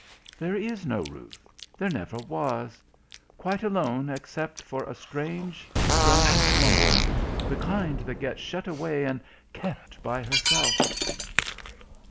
There is no Ruth ... there never was ... quite alone except for a strange, strange woman the kind that gets shut away and kept by herself....